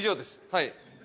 はい。